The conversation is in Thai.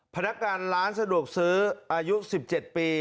พนักงานร้านสะดวกซื้ออายุ๑๗ปี